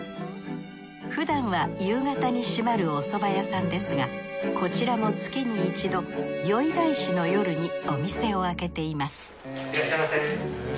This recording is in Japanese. ふだんは夕方に閉まるおそば屋さんですがこちらも月に一度宵大師の夜にお店を開けていますいらっしゃいませ。